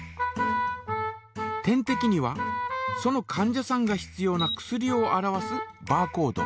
点てきにはそのかん者さんが必要な薬を表すバーコード。